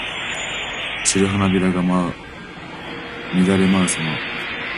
散る花びらが乱れ舞うさま。